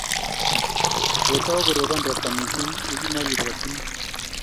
Kotou koropon ropta missing' ye kimagepwotchini.